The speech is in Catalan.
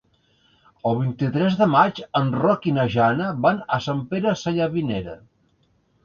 El vint-i-tres de maig en Roc i na Jana van a Sant Pere Sallavinera.